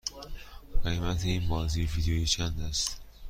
قیمت این بازی ویدیویی چند است؟